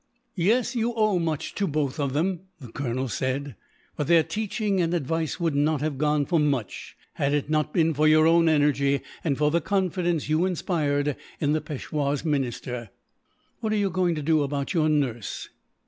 "Yes, you owe much to both of them," the colonel said; "but their teaching and advice would not have gone for much, had it not been for your own energy, and for the confidence you inspired in the Peishwa's minister. "What are you going to do about your nurse?"